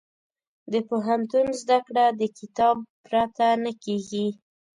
د پوهنتون زده کړه د کتاب پرته نه کېږي.